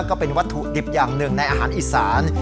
ก็เป็นวัตถุดิบอย่างหนึ่งในอาหารอีสาน